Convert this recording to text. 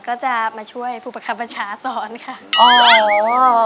ก็จะมาช่วยผู้ประคับบัญชาสอนค่ะ